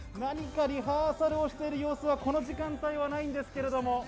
リハーサルをしている様子はこの時間帯はないんですけれども。